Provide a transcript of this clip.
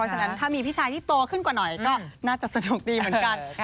ให้มีพี่ชายที่โตกว่าน่อยก็น่าจะสนุกดีเหมือนกัน